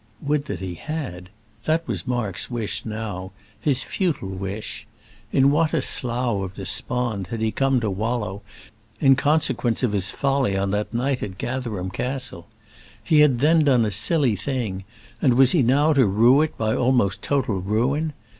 Would that he had! That was Mark's wish now, his futile wish. In what a slough of despond had he come to wallow in consequence of his folly on that night at Gatherum Castle! He had then done a silly thing, and was he now to rue it by almost total ruin?